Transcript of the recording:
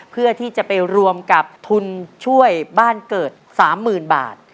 เพื่อที่จะไปรวมกับทุนช่วยบ้านเกิด๓๐๐๐บาท